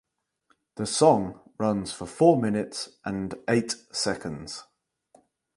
The song runs for four minutes and eight seconds.